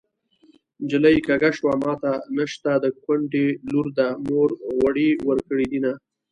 نجلۍ کږه شوه ماته نشته د کونډې لور ده مور غوړي ورکړې دينه